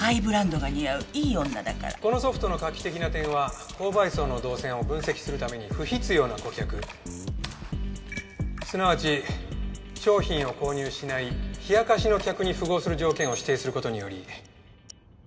このソフトの画期的な点は購買層の動線を分析するために不必要な顧客すなわち商品を購入しない冷やかしの客に符合する条件を指定する事により。